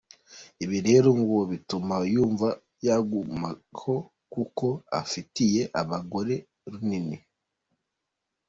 Ibi rero ngo bituma yumva yagumaho kuko afatiye abagore runini.